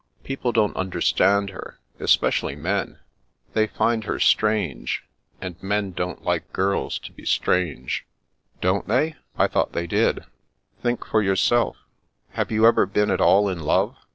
People don't understand her, especially men. They find her strange, and men don't like girls to be strange." 140 The Princess Passes it Don't they? I thought they did." Think for yourself. Have you ever been at all in love?